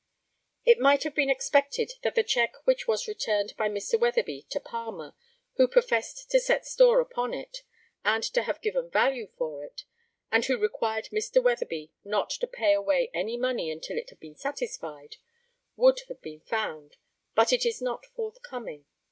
] It might have been expected that the cheque which was returned by Mr. Weatherby to Palmer, who professed to set store upon it, and to have given value for it, and who required Mr. Weatherby not to pay away any money until it had been satisfied, would have been found, but it is not forthcoming.